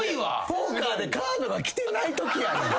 ポーカーでカードが来てないときやねん。